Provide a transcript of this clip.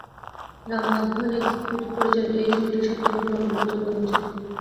রাম মাধভানি পরিচালিত এই ছবিটি সত্য ঘটনা অবলম্বনে তৈরি করা হয়েছিল।